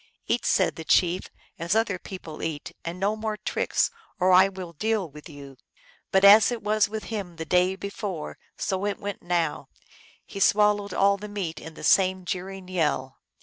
" Eat," said the chief, " as other people eat, and no more tricks, or I will deal with you." But as it was with him the day before, so it went now ; he swallowed al] the meat with the same jeering yell.